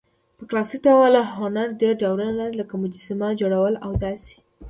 په کلاسیک ډول هنرډېر ډولونه لري؛ لکه: مجسمه، جوړول او داسي...